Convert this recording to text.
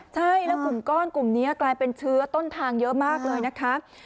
ใช่แล้วกลุ่มก้อนกลุ่มนี้กลายเป็นเชื้อต้นทางเยอะมากเลยนะคะ